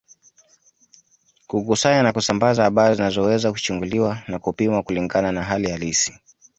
Kukusanya na kusambaza habari zinazoweza kuchunguliwa na kupimwa kulingana na hali halisi